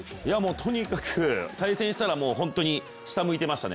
とにかく対戦したら本当に下向いてましたね。